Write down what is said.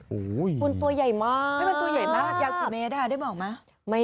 โอ๊ยยยยยยยยยยมันตัวใหญ่มากอ่ะไม่